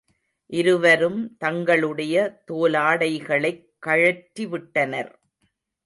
இருவரும் தங்களுடைய தோலாடைகளைக் கழற்றிவிட்டனர்.